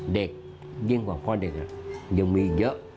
เด็กยิ่งกว่าพ่อเด็กยังมีอีกเยอะ